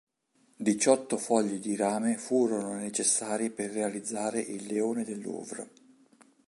Diciotto fogli di rame furono necessari per realizzare il leone del Louvre.